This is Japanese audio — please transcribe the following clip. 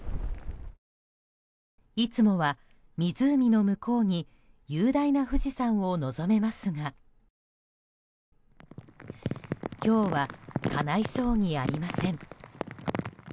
いつもは湖の向こうに雄大な富士山を望めますが今日はかないそうにありません。